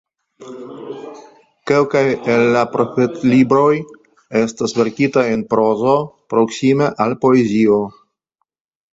Kelkaj el la profetlibroj estas verkitaj en prozo proksime al poezio.